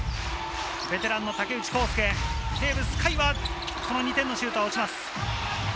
ベテランの竹内公輔、テーブス海はこの２点のシュートは落ちます。